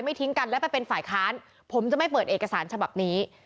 ทิ้งกันและไปเป็นฝ่ายค้านผมจะไม่เปิดเอกสารฉบับนี้